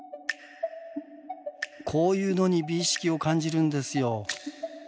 こういうのに美意識を感じるんですよ。